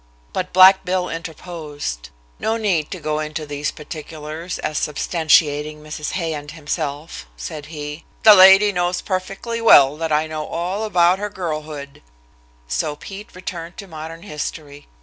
But Black Bill interposed. No need to go into these particulars, as substantiating Mrs. Hay and himself, said he. "The lady knows perfectly well that I know all about her girlhood," so Pete returned to modern history.